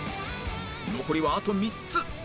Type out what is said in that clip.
残りはあと３つ